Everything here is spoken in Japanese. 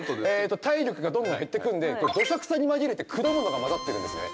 体力がどんどん減ってくるんでどさくさに紛れて果物が交ざってるんですね